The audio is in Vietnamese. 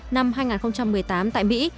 năm hai nghìn một mươi tám tại mỹ